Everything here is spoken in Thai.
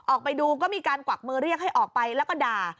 ออกไปดูก็มีการกวักมือเรียกให้ออกไปแล้วก็ด่า